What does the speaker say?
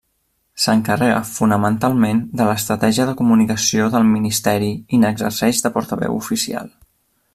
S'encarrega fonamentalment de l'estratègia de comunicació del Ministeri i n'exerceix de portaveu oficial.